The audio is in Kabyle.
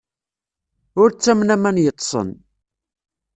Ur ttamen aman yeṭṭsen.